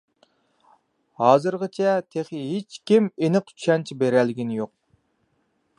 ھازىرغىچە تېخى ھېچكىم ئېنىق چۈشەنچە بېرەلىگىنى يوق.